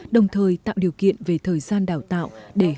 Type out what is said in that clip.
đồng thời tạo điều kiện về thời gian đào tạo để học nghề